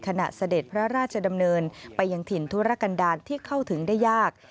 เสด็จพระราชดำเนินไปยังถิ่นธุรกันดาลที่เข้าถึงได้ยาก